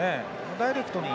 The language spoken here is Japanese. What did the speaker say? ダイレクトに。